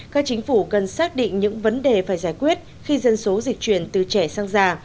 các chính phủ cần xác định những vấn đề phải giải quyết khi dân số dịch chuyển từ trẻ sang già